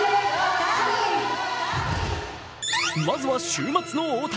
まずは週末の大谷。